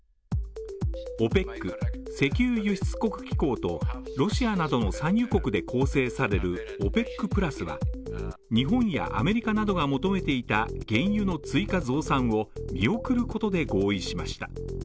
ＯＰＥＣ＝石油輸出国機構とロシアなどの産油国で構成されるＯＰＥＣプラスは、日本やアメリカなどが求めていた原油の追加増産を見送ることで合意しました。